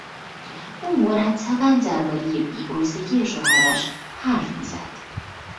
او مرتبا دربارهی بیعرضگی شوهرش حرف میزد.